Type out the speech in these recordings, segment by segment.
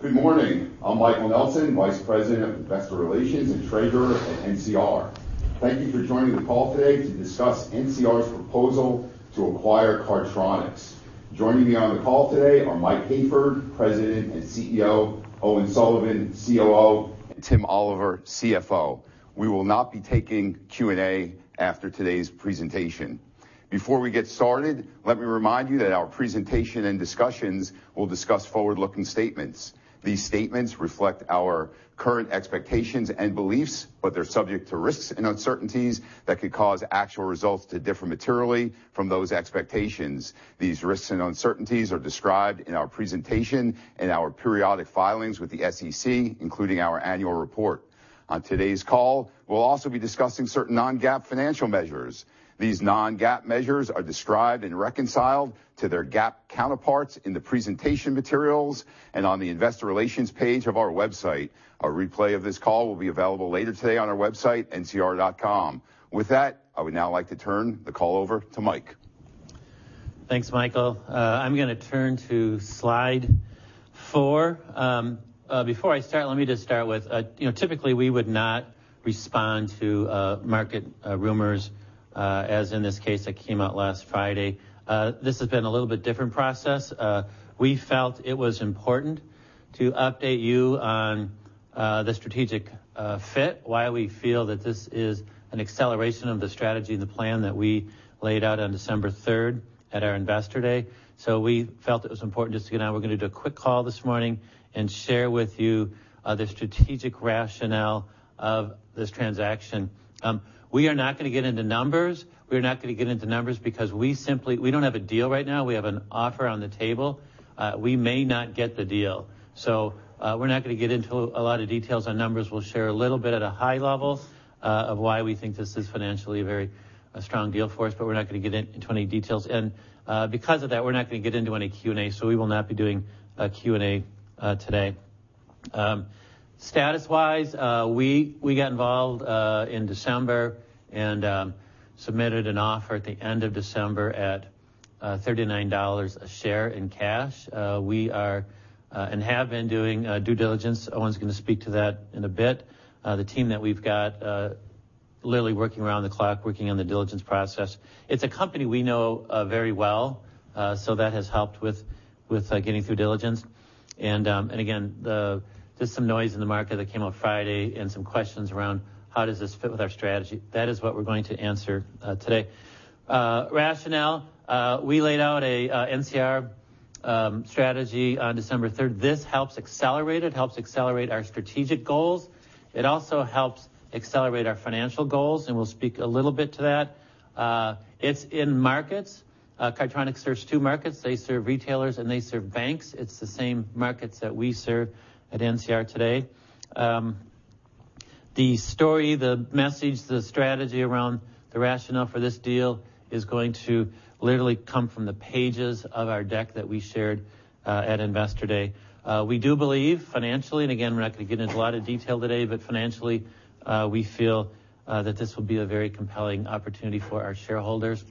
Good morning. I'm Michael Nelson, vice president of investor relations and treasurer at NCR. Thank you for joining the call today to discuss NCR's proposal to acquire Cardtronics. Joining me on the call today are Mike Hayford, President and CEO, Owen Sullivan, COO, and Tim Oliver, CFO. We will not be taking Q&A after today's presentation. Before we get started, let me remind you that our presentation and discussions will discuss forward-looking statements. These statements reflect our current expectations and beliefs. They're subject to risks and uncertainties that could cause actual results to differ materially from those expectations. These risks and uncertainties are described in our presentation, in our periodic filings with the SEC, including our annual report. On today's call, we'll also be discussing certain non-GAAP financial measures. These non-GAAP measures are described and reconciled to their GAAP counterparts in the presentation materials and on the investor relations page of our website. A replay of this call will be available later today on our website, ncrvoyix.com. With that, I would now like to turn the call over to Mike. Thanks, Michael. I'm going to turn to slide four. Before I start, let me just start with, typically we would not respond to market rumors, as in this case that came out last Friday. This has been a little bit different process. We felt it was important to update you on the strategic fit, why we feel that this is an acceleration of the strategy and the plan that we laid out on December 3rd at our Investor Day. We felt it was important just to get out. We're going to do a quick call this morning and share with you the strategic rationale of this transaction. We are not going to get into numbers. We are not going to get into numbers because we don't have a deal right now. We have an offer on the table. We may not get the deal. We're not going to get into a lot of details on numbers. We'll share a little bit at a high level of why we think this is financially a very strong deal for us, but we're not going to get into any details. Because of that, we're not going to get into any Q&A, so we will not be doing a Q&A today. Status-wise, we got involved in December and submitted an offer at the end of December at $39 a share in cash. We are, and have been doing due diligence. Owen's going to speak to that in a bit. The team that we've got literally working around the clock working on the diligence process. It's a company we know very well so that has helped with getting through diligence. Again, just some noise in the market that came out Friday and some questions around how does this fit with our strategy. That is what we're going to answer today. Rationale. We laid out a NCR strategy on December 3rd. This helps accelerate it, helps accelerate our strategic goals. It also helps accelerate our financial goals, and we'll speak a little bit to that. It's in markets. Cardtronics serves two markets. They serve retailers, and they serve banks. It's the same markets that we serve at NCR today. The story, the message, the strategy around the rationale for this deal is going to literally come from the pages of our deck that we shared at Investor Day. We do believe financially, and again, we're not going to get into a lot of detail today, but financially, we feel that this will be a very compelling opportunity for our shareholders.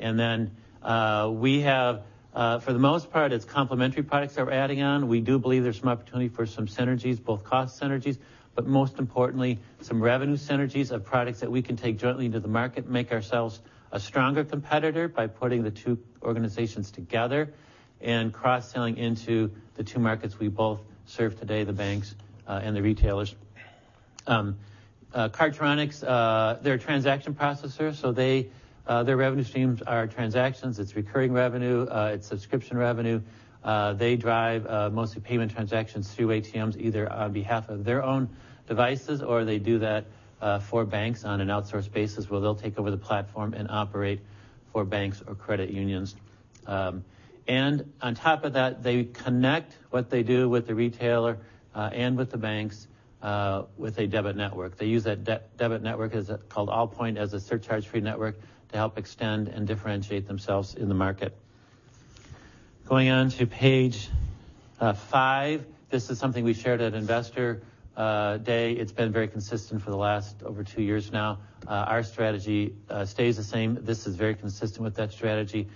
We have for the most part, it's complementary products that we're adding on. We do believe there's some opportunity for some synergies, both cost synergies, but most importantly, some revenue synergies of products that we can take jointly into the market and make ourselves a stronger competitor by putting the two organizations together and cross-selling into the two markets we both serve today, the banks and the retailers. Cardtronics, they're a transaction processor, so their revenue streams are transactions. It's recurring revenue. It's subscription revenue. They drive mostly payment transactions through ATMs, either on behalf of their own devices, or they do that for banks on an outsourced basis where they'll take over the platform and operate for banks or credit unions. On top of that, they connect what they do with the retailer and with the banks with a debit network. They use that debit network, called Allpoint, as a surcharge-free network to help extend and differentiate themselves in the market. Going on to page five. This is something we shared at Investor Day. It's been very consistent for the last over two years now. Our strategy stays the same. This is very consistent with that strategy.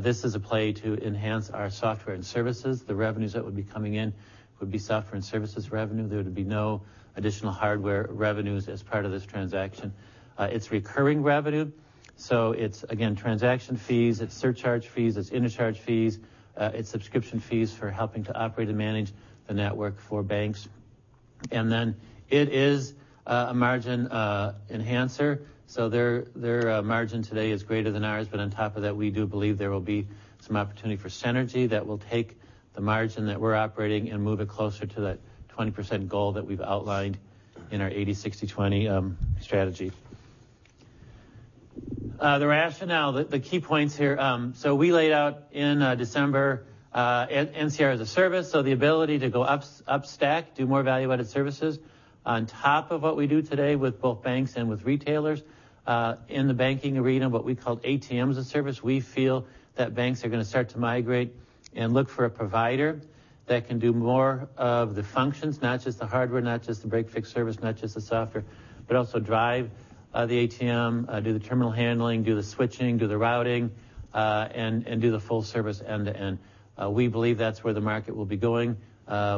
This is a play to enhance our software and services. The revenues that would be coming in would be software and services revenue. There would be no additional hardware revenues as part of this transaction. It's recurring revenue, so it's, again, transaction fees, it's surcharge fees, it's interchange fees, it's subscription fees for helping to operate and manage the network for banks. It is a margin enhancer. Their margin today is greater than ours, but on top of that, we do believe there will be some opportunity for synergy that will take the margin that we're operating and move it closer to that 20% goal that we've outlined in our 80/60/20 strategy. The rationale, the key points here. We laid out in December NCR-as-a-Service, so the ability to go upstack, do more value-added services on top of what we do today with both banks and with retailers. In the banking arena, what we called ATM as a Service, we feel that banks are going to start to migrate and look for a provider that can do more of the functions, not just the hardware, not just the break-fix service, not just the software, but also drive the ATM, do the terminal handling, do the switching, do the routing, and do the full service end to end. We believe that's where the market will be going.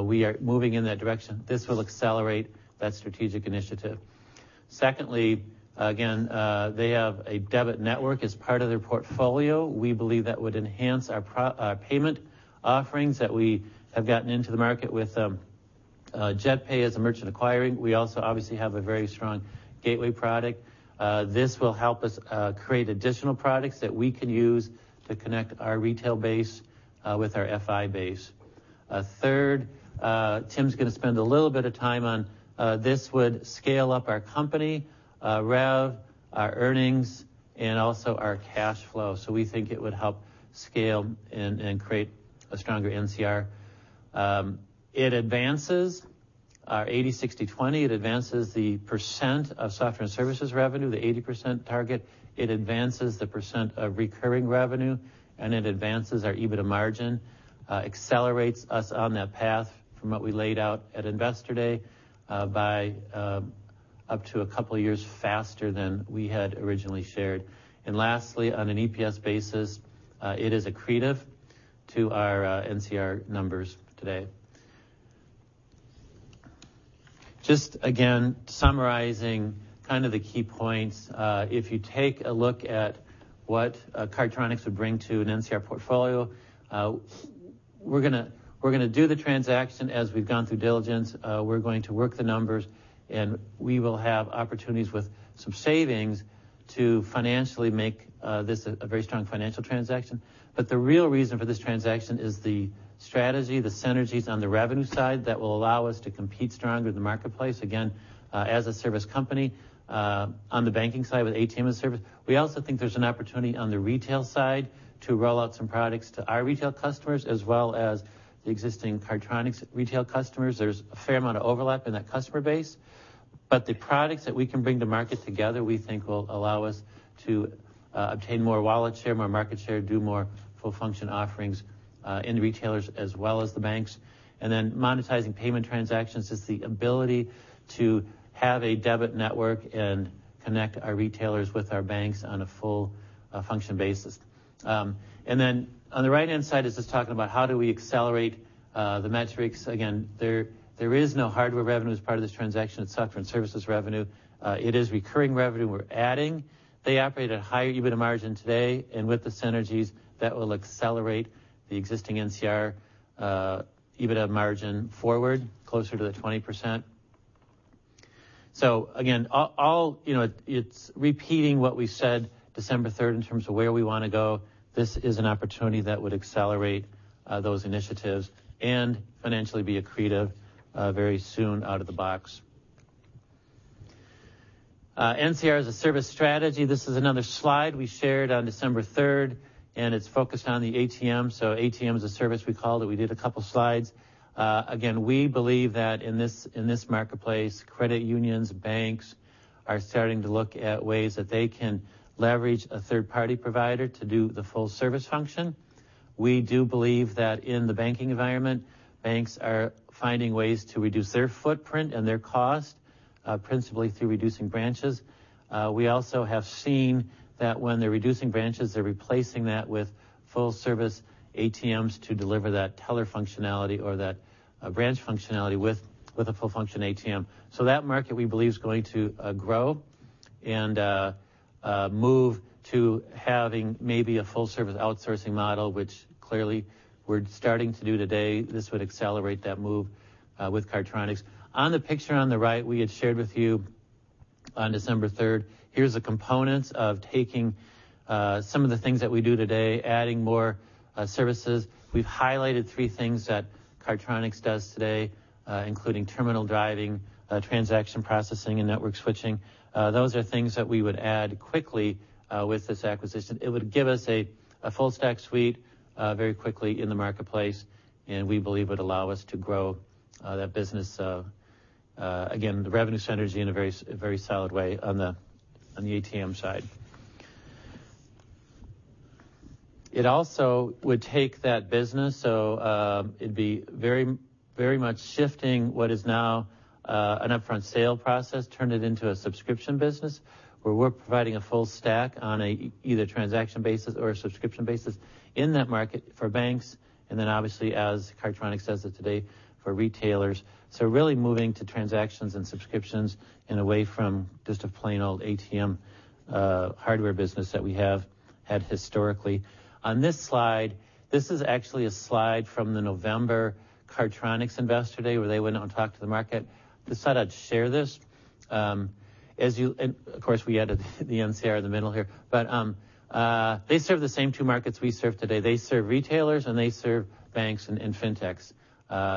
We are moving in that direction. This will accelerate that strategic initiative. Secondly, again, they have a debit network as part of their portfolio. We believe that would enhance our payment offerings that we have gotten into the market with JetPay as a merchant acquiring. We also obviously have a very strong gateway product. This will help us create additional products that we can use to connect our retail base with our FI base. Third, Tim's going to spend a little bit of time on this would scale up our company, our earnings, and also our cash flow. We think it would help scale and create a stronger NCR. It advances our 80/60/20. It advances the % of software and services revenue, the 80% target. It advances the % of recurring revenue, and it advances our EBITDA margin, accelerates us on that path from what we laid out at Investor Day by up to a couple of years faster than we had originally shared. Lastly, on an EPS basis, it is accretive to our NCR numbers today. Just again, summarizing kind of the key points. If you take a look at what Cardtronics would bring to an NCR portfolio, we're going to do the transaction as we've gone through diligence. We're going to work the numbers, and we will have opportunities with some savings to financially make this a very strong financial transaction. The real reason for this transaction is the strategy, the synergies on the revenue side that will allow us to compete stronger in the marketplace, again, as a service company, on the banking side with ATM as a Service. We also think there's an opportunity on the retail side to roll out some products to our retail customers, as well as the existing Cardtronics retail customers. There's a fair amount of overlap in that customer base, but the products that we can bring to market together, we think will allow us to obtain more wallet share, more market share, do more full-function offerings in the retailers as well as the banks. Monetizing payment transactions is the ability to have a debit network and connect our retailers with our banks on a full-function basis. On the right-hand side is just talking about how do we accelerate the metrics. Again, there is no hardware revenue as part of this transaction. It's software and services revenue. It is recurring revenue we're adding. They operate at a higher EBITDA margin today, and with the synergies, that will accelerate the existing NCR EBITDA margin forward closer to the 20%. Again, it's repeating what we said December 3rd in terms of where we want to go. This is an opportunity that would accelerate those initiatives and financially be accretive very soon out of the box. NCR-as-a-Service strategy. This is another slide we shared on December 3rd, and it's focused on the ATM. ATM as a Service, we call it. We did a couple slides. Again, we believe that in this marketplace, credit unions, banks are starting to look at ways that they can leverage a third-party provider to do the full-service function. We do believe that in the banking environment, banks are finding ways to reduce their footprint and their cost, principally through reducing branches. We also have seen that when they're reducing branches, they're replacing that with full-service ATMs to deliver that teller functionality or that branch functionality with a full-function ATM. That market, we believe, is going to grow and move to having maybe a full-service outsourcing model, which clearly we're starting to do today. This would accelerate that move with Cardtronics. On the picture on the right, we had shared with you on December 3rd, here's the components of taking some of the things that we do today, adding more services. We've highlighted three things that Cardtronics does today including terminal driving, transaction processing, and network switching. Those are things that we would add quickly with this acquisition. It would give us a full-stack suite very quickly in the marketplace, and we believe would allow us to grow that business, again, the revenue synergy in a very solid way on the ATM side. It also would take that business, so it'd be very much shifting what is now an upfront sale process, turn it into a subscription business where we're providing a full stack on either a transaction basis or a subscription basis in that market for banks, and then obviously, as Cardtronics does it today for retailers. Really moving to transactions and subscriptions and away from just a plain old ATM hardware business that we have had historically. On this slide, this is actually a slide from the November Cardtronics Investor Day where they went out and talked to the market. Decided I'd share this. Of course, we added the NCR in the middle here, but they serve the same two markets we serve today. They serve retailers, and they serve banks and fintechs,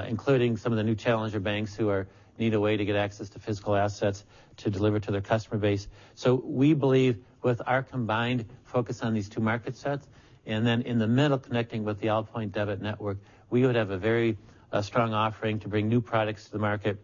including some of the new challenger banks who need a way to get access to physical assets to deliver to their customer base. We believe with our combined focus on these two market sets, and then in the middle, connecting with the Allpoint debit network, we would have a very strong offering to bring new products to the market,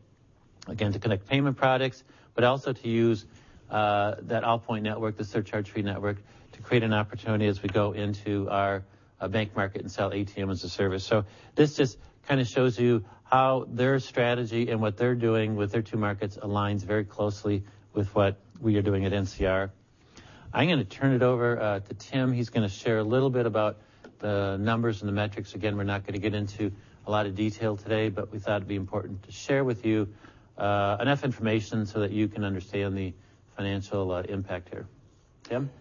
again, to connect payment products, but also to use that Allpoint network, the surcharge-free network, to create an opportunity as we go into our bank market and sell ATM as a Service. This just kind of shows you how their strategy and what they're doing with their two markets aligns very closely with what we are doing at NCR. I'm going to turn it over to Tim. He's going to share a little bit about the numbers and the metrics. We're not going to get into a lot of detail today, but we thought it'd be important to share with you enough information so that you can understand the financial impact here. Tim?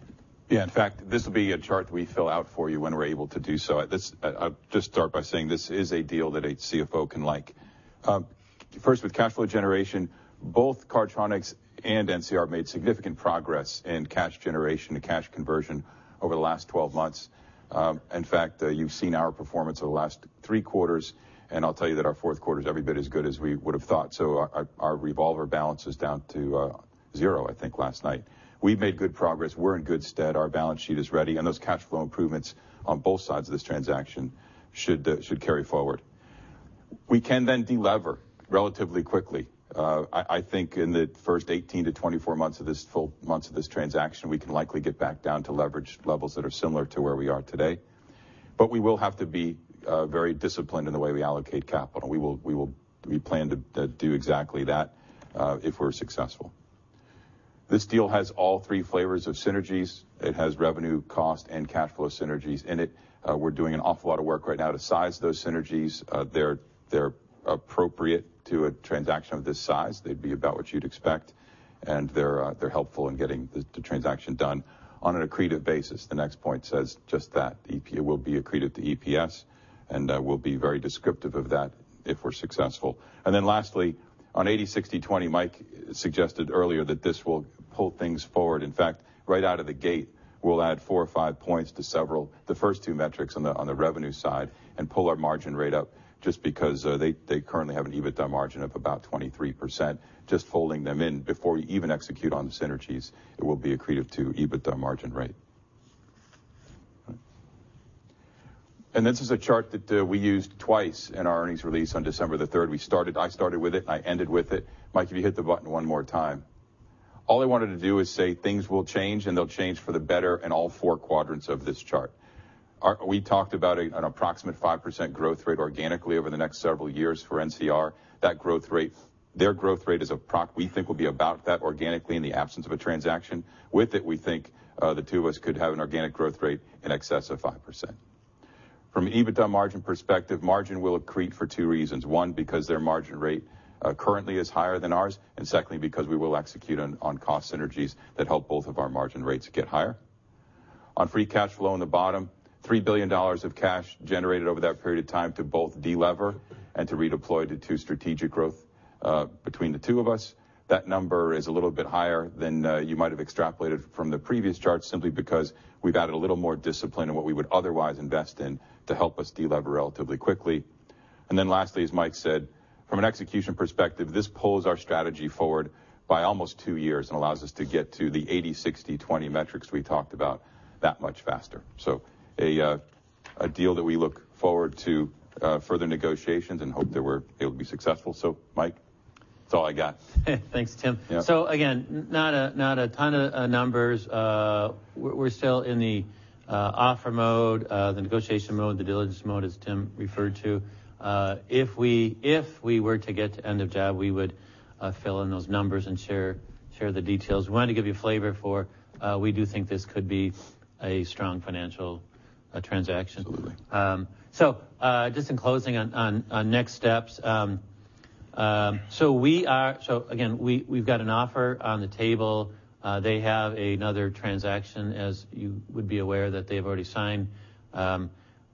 Yeah. In fact, this will be a chart that we fill out for you when we're able to do so. I'll just start by saying this is a deal that a CFO can like. First, with cash flow generation, both Cardtronics and NCR made significant progress in cash generation and cash conversion over the last 12 months. In fact, you've seen our performance over the last three quarters, and I'll tell you that our fourth quarter is every bit as good as we would have thought. Our revolver balance is down to zero, I think, last night. We've made good progress. We're in good stead. Our balance sheet is ready, and those cash flow improvements on both sides of this transaction should carry forward. We can de-lever relatively quickly. I think in the first 18 to 24 months of this transaction, we can likely get back down to leverage levels that are similar to where we are today. We will have to be very disciplined in the way we allocate capital, and we plan to do exactly that if we're successful. This deal has all three flavors of synergies. It has revenue, cost, and cash flow synergies in it. We're doing an awful lot of work right now to size those synergies. They're appropriate to a transaction of this size. They'd be about what you'd expect, and they're helpful in getting the transaction done on an accretive basis. The next point says just that. It will be accretive to EPS, and we'll be very descriptive of that if we're successful. Lastly, on 80/60/20, Mike suggested earlier that this will pull things forward. In fact, right out of the gate, we'll add 4 or 5 points to several, the first two metrics on the revenue side, and pull our margin rate up just because they currently have an EBITDA margin of about 23%. Just holding them in before we even execute on the synergies, it will be accretive to EBITDA margin rate. This is a chart that we used twice in our earnings release on December 3rd. I started with it, I ended with it. Mike, if you hit the button one more time. All I wanted to do is say things will change, they'll change for the better in all four quadrants of this chart. We talked about an approximate 5% growth rate organically over the next several years for NCR. Their growth rate, we think, will be about that organically in the absence of a transaction. With it, we think the two of us could have an organic growth rate in excess of 5%. From an EBITDA margin perspective, margin will accrete for two reasons. One, because their margin rate currently is higher than ours, and secondly, because we will execute on cost synergies that help both of our margin rates get higher. On free cash flow on the bottom, $3 billion of cash generated over that period of time to both de-lever and to redeploy to strategic growth between the two of us. That number is a little bit higher than you might have extrapolated from the previous chart, simply because we've added a little more discipline in what we would otherwise invest in to help us de-lever relatively quickly. Lastly, as Mike said, from an execution perspective, this pulls our strategy forward by almost two years and allows us to get to the 80/60/20 metrics we talked about that much faster. A deal that we look forward to further negotiations and hope that it'll be successful. Mike, that's all I got. Thanks, Tim. Yeah. Again, not a ton of numbers. We're still in the offer mode, the negotiation mode, the diligence mode, as Tim referred to. If we were to get to end of job, we would fill in those numbers and share the details. We wanted to give you a flavor for we do think this could be a strong financial transaction. Absolutely. Just in closing on next steps. Again, we've got an offer on the table. They have another transaction, as you would be aware, that they've already signed.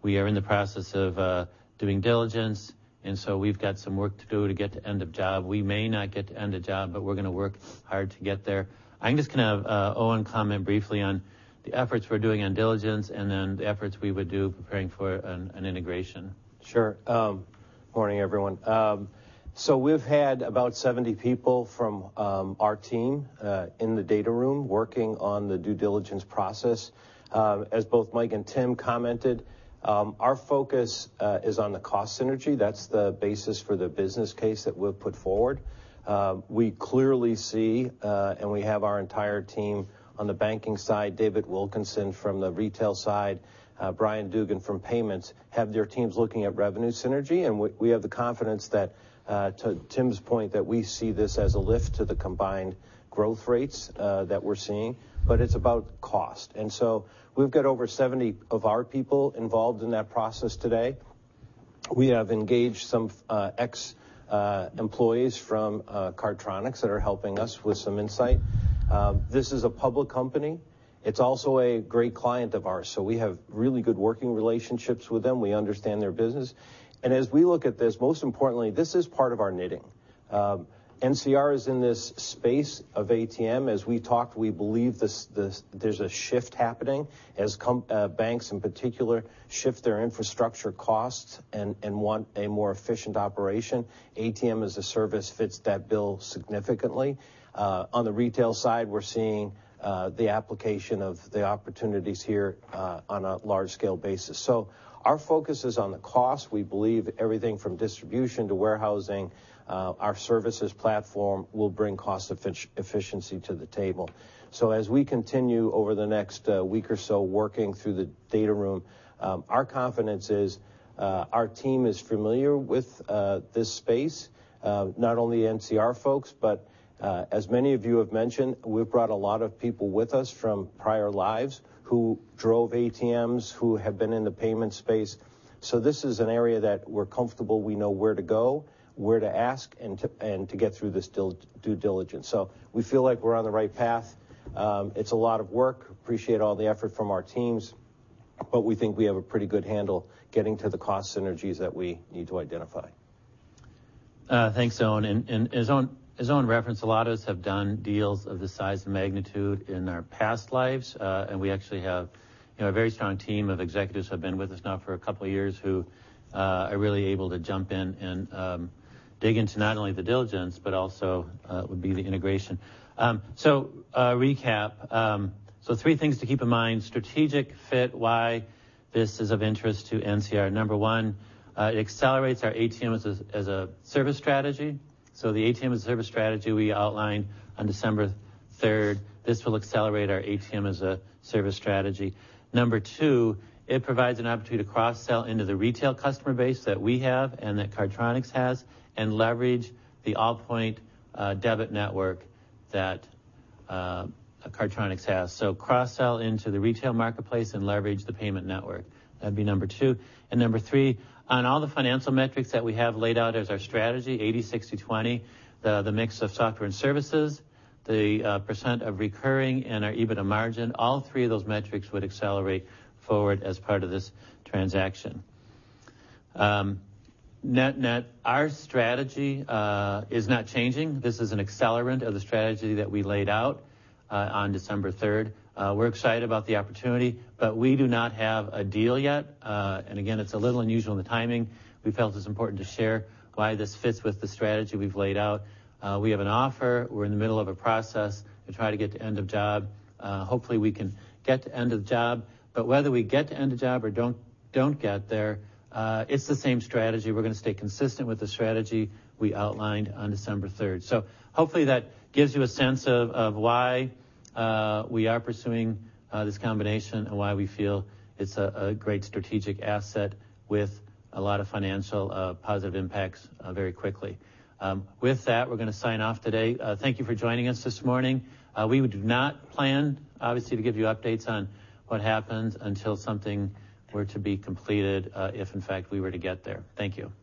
We are in the process of doing diligence, and so we've got some work to do to get to end of job. We may not get to end of job, but we're going to work hard to get there. I'm just going to have Owen comment briefly on the efforts we're doing on diligence and then the efforts we would do preparing for an integration. Sure. Morning, everyone. We've had about 70 people from our team in the data room working on the due diligence process. As both Mike and Tim commented, our focus is on the cost synergy. That's the basis for the business case that we've put forward. We clearly see, and we have our entire team on the banking side, David Wilkinson from the retail side, Brian Dugan from payments, have their teams looking at revenue synergy, and we have the confidence that, to Tim's point, that we see this as a lift to the combined growth rates that we're seeing, but it's about cost. We've got over 70 of our people involved in that process today. We have engaged some ex-employees from Cardtronics that are helping us with some insight. This is a public company. It's also a great client of ours. We have really good working relationships with them. We understand their business. As we look at this, most importantly, this is part of our knitting. NCR is in this space of ATM. As we talked, we believe there's a shift happening as banks in particular shift their infrastructure costs and want a more efficient operation. ATM as a Service fits that bill significantly. On the retail side, we're seeing the application of the opportunities here on a large-scale basis. Our focus is on the cost. We believe everything from distribution to warehousing, our services platform will bring cost efficiency to the table. As we continue over the next week or so working through the data room, our confidence is our team is familiar with this space. Not only NCR folks, but as many of you have mentioned, we've brought a lot of people with us from prior lives who drove ATMs, who have been in the payment space. This is an area that we're comfortable. We know where to go, where to ask, and to get through this due diligence. We feel like we're on the right path. It's a lot of work. Appreciate all the effort from our teams, but we think we have a pretty good handle getting to the cost synergies that we need to identify. Thanks, Owen. As Owen referenced, a lot of us have done deals of this size and magnitude in our past lives, and we actually have a very strong team of executives who have been with us now for a couple of years who are really able to jump in and dig into not only the diligence, but also would be the integration. Recap. Three things to keep in mind, strategic fit, why this is of interest to NCR. Number one, it accelerates our ATM as a Service strategy. The ATM as a Service strategy we outlined on December 3rd, this will accelerate our ATM as a Service strategy. Number two, it provides an opportunity to cross-sell into the retail customer base that we have and that Cardtronics has and leverage the Allpoint debit network that Cardtronics has. Cross-sell into the retail marketplace and leverage the payment network. That'd be number 2. Number 3, on all the financial metrics that we have laid out as our strategy, 80/60/20, the mix of software and services, the % of recurring, and our EBITDA margin, all three of those metrics would accelerate forward as part of this transaction. Net, our strategy is not changing. This is an accelerant of the strategy that we laid out on December 3rd. We're excited about the opportunity, we do not have a deal yet. Again, it's a little unusual in the timing. We felt it's important to share why this fits with the strategy we've laid out. We have an offer. We're in the middle of a process to try to get to end of job. Hopefully, we can get to end of the job. Whether we get to end of job or don't get there, it's the same strategy. We're going to stay consistent with the strategy we outlined on December 3rd. Hopefully that gives you a sense of why we are pursuing this combination and why we feel it's a great strategic asset with a lot of financial positive impacts very quickly. With that, we're going to sign off today. Thank you for joining us this morning. We do not plan, obviously, to give you updates on what happens until something were to be completed, if in fact we were to get there. Thank you.